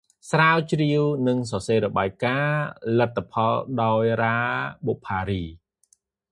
ស្រាវជ្រាវនិងសរសេររបាយការណ៍លទ្ធផលដោយ រ៉ា បុប្ផារី